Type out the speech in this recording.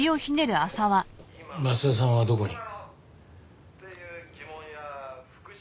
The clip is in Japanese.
松田さんはどこに？